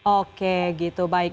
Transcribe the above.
oke gitu baik